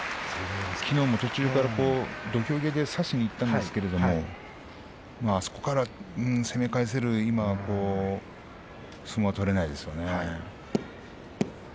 きのうも途中から差しにいったんですがあそこから攻め返せる相撲は今取れないですね。